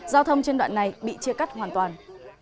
giao thông trên đoạn này bị chia cắt hoàn toàn